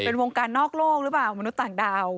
เป็นวงการนอกโลกหรือเปล่ามนุษย์ต่างดาว